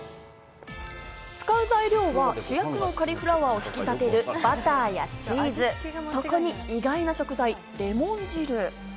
使う材料は主役のカリフラワーを引き立てるバターやチーズ、そこに意外な食材、レモン汁。